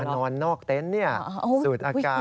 ออกมานอนนอกเต็นต์เนี่ยสุดอากาศ